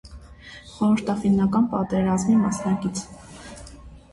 Խորհրդաֆիննական պատերազմի մասնակից։